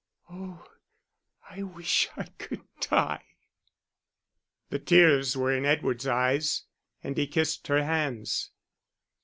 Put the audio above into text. "Oh, I wish I could die." The tears were in Edward's eyes, and he kissed her hands.